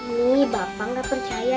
nih bapak nggak percaya